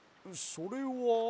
それは？